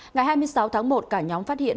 ngày hai mươi sáu tháng một cả nhóm phát hiện